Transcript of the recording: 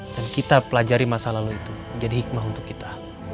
dan kita pelajari masa lalu itu menjadi hikmah untuk kita